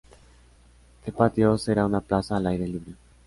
The Patios será una plaza al aire libre.